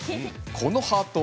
このハート